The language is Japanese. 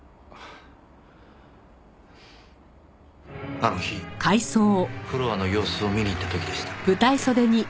あの日フロアの様子を見にいった時でした。